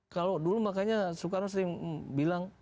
kalau dulu makanya soekarno sering bilang